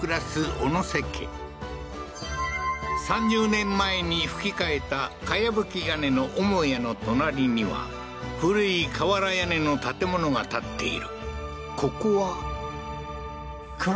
３０年前にふき替えたかやぶき屋根の母屋の隣には古い瓦屋根の建物が建っているここは蔵？